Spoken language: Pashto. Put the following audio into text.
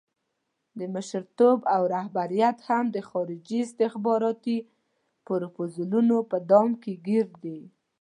مشرتوب او رهبریت هم د خارجي استخباراتي پروفوزلونو په دام کې ګیر دی.